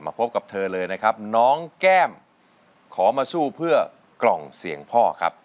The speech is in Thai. พบกับเธอเลยนะครับน้องแก้มขอมาสู้เพื่อกล่องเสียงพ่อครับ